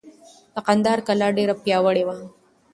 د کندهار کلا ډېره پیاوړې وه.